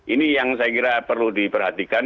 ini yang saya kira perlu diperhatikan